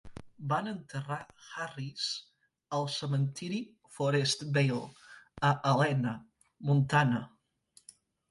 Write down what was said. Van enterrar Harris al cementiri Forestvale, a Helena (Montana).